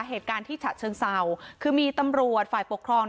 เหตุการณ์ที่ฉะเชิงเศร้าคือมีตำรวจฝ่ายปกครอง